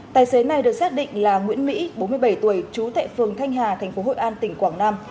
tài xế này được xác định là nguyễn mỹ bốn mươi bảy tuổi chú thệ phường thanh hà tp hội an tỉnh quảng nam